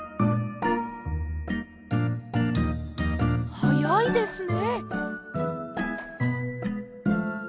はやいですね。